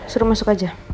suruh masuk aja